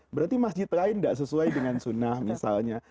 berarti masjid lain tidak sesuai dengan sunnah misalnya